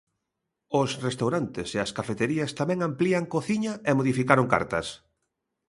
Os restaurantes e as cafeterías tamén amplían cociña e modificaron cartas.